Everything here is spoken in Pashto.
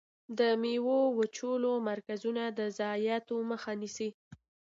د ميوو وچولو مرکزونه د ضایعاتو مخه نیسي.